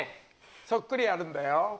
そっくりやるんだよ。